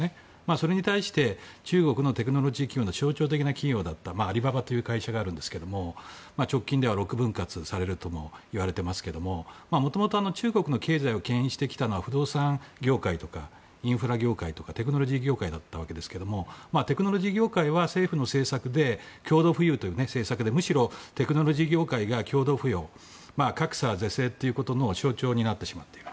それに対して中国のテクノロジー企業の象徴的な企業だったアリババという会社があるんですが直近で６分割されるともいわれてますけどもともと中国の経済を牽引してきたのは不動産業界やインフラ業界やテクノロジー業界だったんですがテクノロジー業界は政府の政策で共同浮揚という政策でむしろ、テクノロジー業界が共同浮揚、格差是正の象徴になってしまっている。